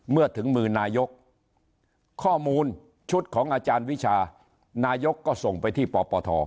เมื่อถึงมือนายกข้อมูลชุดของอาจารย์วิชานายกก็ส่งไปที่ปปท